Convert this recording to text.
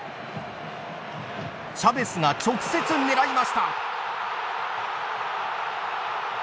チャベスが直接、狙いました。